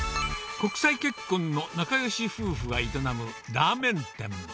国際結婚の仲よし夫婦が営むラーメン店。